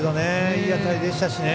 いい当たりでした。